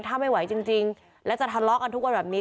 ถ้าไม่ไหวจริงแล้วจะทะเลาะกันทุกวันแบบนี้